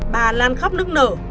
bà lan khóc nước nở